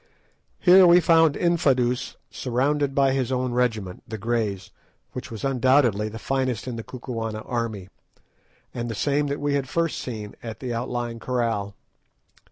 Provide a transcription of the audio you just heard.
Here we found Infadoos surrounded by his own regiment, the Greys, which was undoubtedly the finest in the Kukuana army, and the same that we had first seen at the outlying kraal.